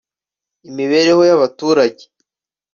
imibereho y’abaturage